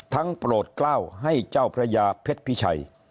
โปรดกล้าวให้เจ้าพระยาเพชรพิชัย